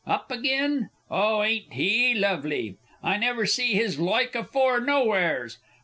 Up agin! Oh, ain't he lovely! I never see his loike afore nowheres....